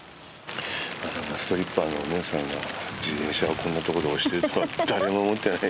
ストリッパーのお姉さんが自転車をこんなとこで押してるとは誰も思ってない。